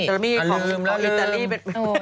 สาลามีของอิตาลีเป็น